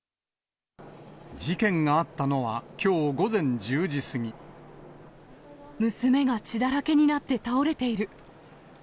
事件があったのは、娘が血だらけになって倒れている。